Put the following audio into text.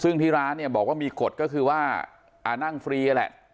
ซึ่งที่ร้านเนี่ยบอกว่ามีกฎก็คือว่านั่งฟรีนั่นแหละ